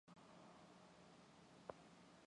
Хүн ер нь жимээр ч явдаг байх, замаар ч явдаг л байх.